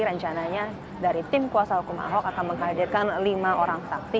rencananya dari tim kuasa hukum ahok akan menghadirkan lima orang saksi